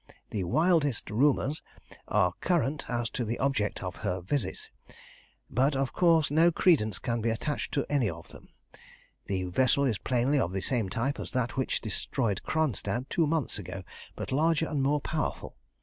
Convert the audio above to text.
"The wildest rumours are current as to the object of her visit, but of course no credence can be attached to any of them. The vessel is plainly of the same type as that which destroyed Kronstadt two months ago, but larger and more powerful.